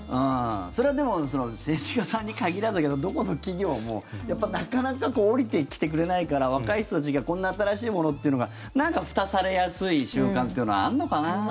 それはでも政治家さんに限らないけどどこの企業もなかなか下りてきてくれないから若い人たちがこんな新しいものをっていうのがなんか、ふたされやすい瞬間というのはあるのかな。